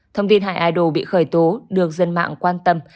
thông tin hai idol bị khởi tố được dân mạng quan tâm